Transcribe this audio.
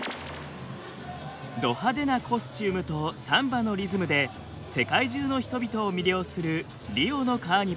ド派手なコスチュームとサンバのリズムで世界中の人々を魅了するリオのカーニバル。